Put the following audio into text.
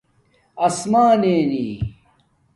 آسمانینی